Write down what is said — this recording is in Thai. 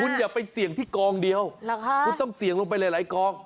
คุณอย่าไปเสี่ยงที่กองเดียวหรอค่ะคุณต้องเสี่ยงลงไปหลายหลายกอง